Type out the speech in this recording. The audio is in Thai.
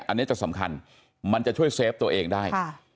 อันนี้จะสำคัญมันจะช่วยเซฟตัวเองได้